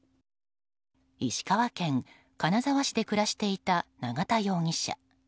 石川県金沢市で暮らしていた永田容疑者。